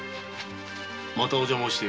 またお邪魔をしている。